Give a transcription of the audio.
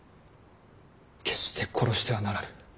決して殺してはならぬ。